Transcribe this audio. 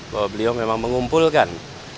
bahwa beliau memang mengumpulkan